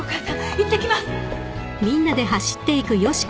いってきます！